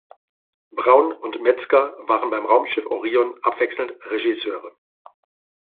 Braun und Mezger waren beim Raumschiff Orion abwechselnd Regisseure.